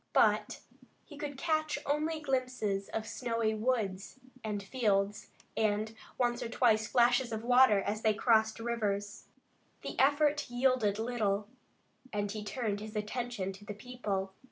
But he could catch only glimpses of snowy woods and fields, and, once or twice, flashes of water as they crossed rivers. The effort yielded little, and he turned his attention to the people.